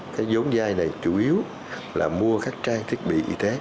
cái giống giai này chủ yếu là mua các trang thiết bị y thế